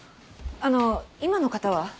あの今の方は？